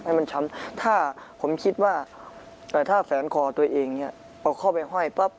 ให้มันช้ำผมคิดว่าถ้าแฟนคอตัวเองเอาเข้าไปไหว้ปั๊บ